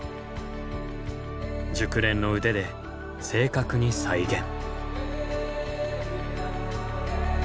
熟練の腕で正確に再現。